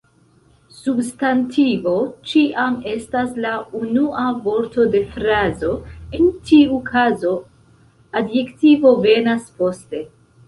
Substantivo ĉiam estas la unua vorto de frazo, en tiu kazo, adjektivo venas poste.